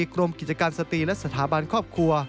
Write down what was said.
กรมกิจการสตรีและสถาบันครอบครัว